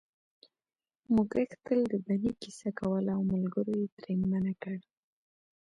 موږک تل د بنۍ کیسه کوله او ملګرو یې ترې منع کړ